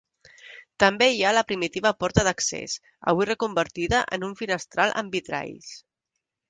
També hi ha la primitiva porta d'accés avui reconvertida en un finestral amb vitralls.